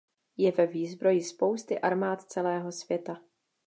Je ve výzbroji spousty armád celého světa.